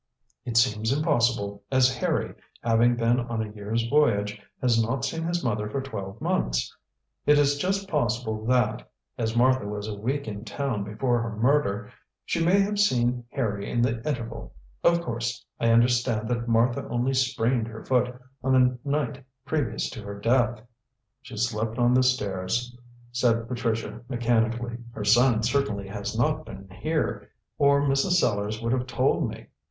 "It seems impossible, as Harry, having been on a year's voyage, has not seen his mother for twelve months. It is just possible that, as Martha was a week in town before her murder, she may have seen Harry in the interval. Of course, I understand that Martha only sprained her foot on the night previous to her death." "She slipped on the stairs," said Patricia mechanically. "Her son certainly has not been here, or Mrs. Sellars would have told me.